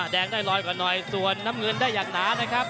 แดงได้ลอยกว่าหน่อยส่วนน้ำเงินได้อย่างหนานะครับ